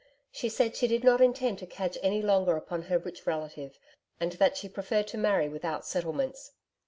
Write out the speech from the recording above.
She said she did not intend to cadge any longer upon her rich relative, and that she preferred to marry without settlements.